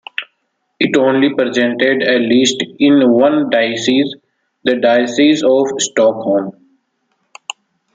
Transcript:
It only presented a list in one diocese, the Diocese of Stockholm.